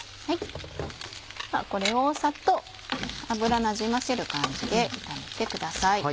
これをサッと油なじませる感じで炒めてください。